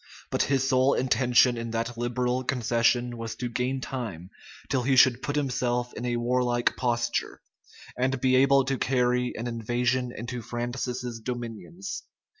But his sole intention in that liberal concession was to gain time till he should put himself in a warlike posture, and be able to carry an invasion into Francis's dominions.